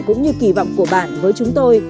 cũng như kỳ vọng của bạn với chúng tôi